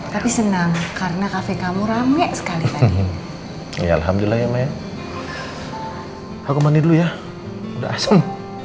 tapi senang karena kafe kamu rame sekali ya alhamdulillah ya maya aku manit dulu ya udah asum